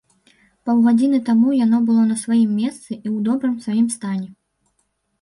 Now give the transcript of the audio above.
Паўгадзіны таму яно было на сваім месцы і ў добрым сваім стане.